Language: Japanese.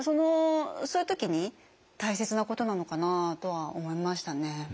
そういう時に大切なことなのかなとは思いましたね。